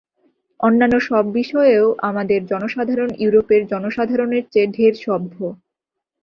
অন্যান্য সব বিষয়েও আমাদের জনসাধারণ ইউরোপের জনসাধারণের চেয়ে ঢের সভ্য।